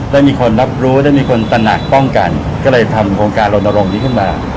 ได้มีคนรับรู้ได้มีคนตระหนักป้องกันก็เลยทำโครงการลนรงค์นี้ขึ้นมา